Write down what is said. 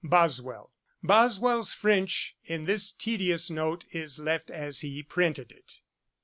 BOSWELL. Boswell's French in this tedious note is left as he printed it.